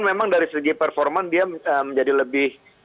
memang dari segi performa dia menjadi lebih